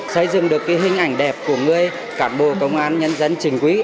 xây dựng được cái hình ảnh đẹp của người cản bộ công an nhân dân trình quý